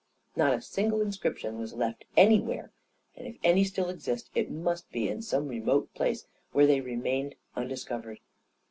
Not a single inscription was left any where; and if any still exist, it must be in some re mote place where they remained undiscovered